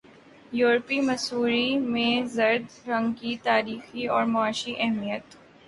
یورپی مصوری میں زرد رنگ کی تاریخی اور معاشی اہمیت